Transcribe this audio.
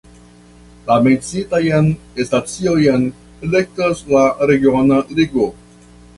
La menciitajn staciojn elektas la regiona ligo.